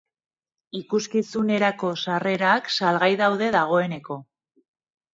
Ikuskizunerako sarrerak salgai daude dagoeneko.